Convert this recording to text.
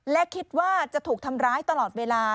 และคิดว่าจะถูกทำร้ายตลอดเวลา